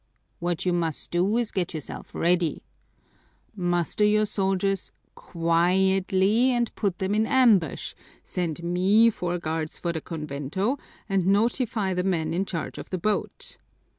What you must do is to get yourself ready. Muster your soldiers quietly and put them in ambush, send me four guards for the convento, and notify the men in charge of the boat."